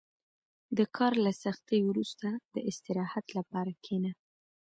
• د کار له سختۍ وروسته، د استراحت لپاره کښېنه.